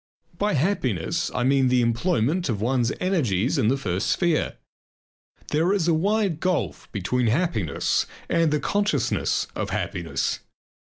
By happiness I mean the employment of one's energies in the first sphere. There is a wide gulf between happiness and the consciousness of happiness.